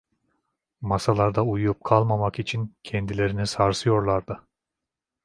Masalarda uyuyup kalmamak için kendilerini sarsıyorlardı.